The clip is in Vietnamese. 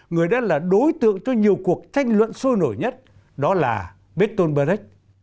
người đã là đối tượng cho nhiều cuộc tranh luận sôi nổi nhất đó là bertolt brecht